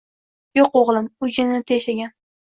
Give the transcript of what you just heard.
- Yo'q, o'glim. U Jannatda yashagan...